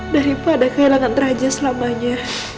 daripada kehilangan raja selamanya